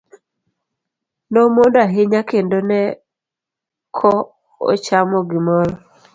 Nomondo ahinya kendo ne ko ochamo gimoro.